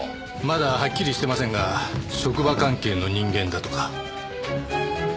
まだはっきりしてませんが職場関係の人間だとか。